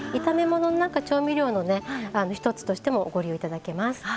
炒め物のなんか調味料のね一つとしてもご利用頂けます。